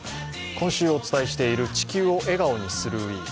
今週お伝えしている「地球を笑顔にするＷＥＥＫ」。